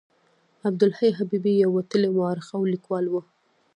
عبدالحي حبیبي یو وتلی مورخ او لیکوال و.